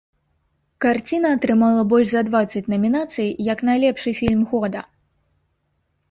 Карціна атрымала больш за дваццаць намінацый як найлепшы фільм года.